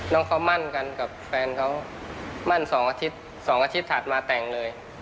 น้องเขามั่นกันกับแฟนเขามั่น๒อาทิตย์๒อาทิตย์ถัดมาแต่งเลย